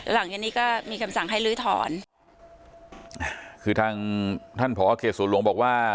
หลังทีนี้ก็มีคำสั่งให้ลื้อถอนคือทางท่านพเคศุลวงศ์บอกว่า